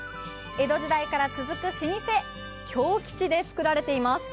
江戸時代から続く老舗京吉で作られています。